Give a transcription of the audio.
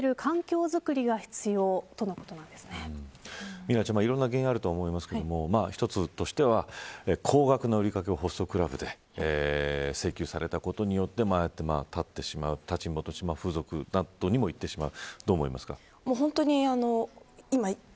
ミラちゃん、いろんな原因があると思いますけども一つとしては高額な売掛けをホストクラブで請求されたことによってああやって立ちんぼとしてあるいは風俗などにも行ってしまう。